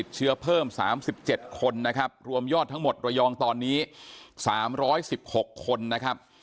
ติดเชื้อเพิ่มสามสิบเจ็ดคนนะครับรวมยอดทั้งหมดระยองตอนนี้สามร้อยสิบหกคนนะครับ